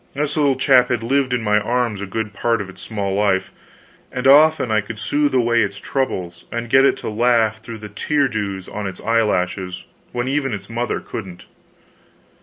This little chap had lived in my arms a good part of its small life, and often I could soothe away its troubles and get it to laugh through the tear dews on its eye lashes when even its mother couldn't.